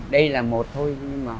đây là một thôi